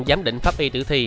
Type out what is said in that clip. giám định pháp y tử thi